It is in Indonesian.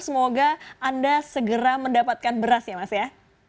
semoga anda segera mendapatkan beras ya mas ya